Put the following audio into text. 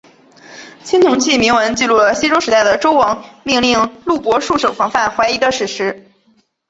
青铜器铭文记录了西周时代的周王命令录伯戍守防范淮夷的史实。